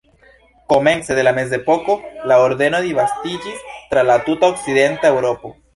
Komence de la mezepoko la ordeno disvastiĝis tra la tuta okcidenta Eŭropo.